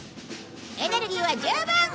エネルギーは十分！